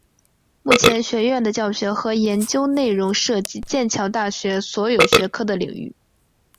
目前学院的教学和研究内容涉及剑桥大学所有学科的领域。